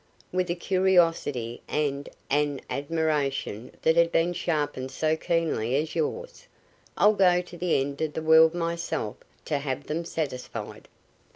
With a curiosity and an admiration that had been sharpened so keenly as yours, I'd go to the end of the world myself to have them satisfied."